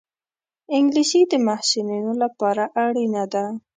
انګلیسي د محصلینو لپاره اړینه ده